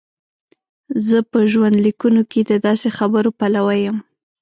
زه په ژوندلیکونو کې د داسې خبرو پلوی یم.